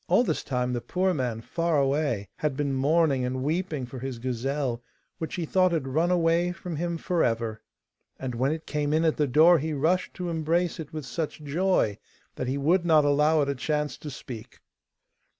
All this time the poor man far away had been mourning and weeping for his gazelle, which he thought had run away from him for ever. And when it came in at the door he rushed to embrace it with such joy that he would not allow it a chance to speak.